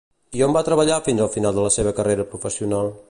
I on va treballar fins al final de la seva carrera professional?